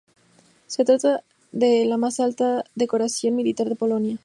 Se trata de la más alta condecoración militar de Polonia.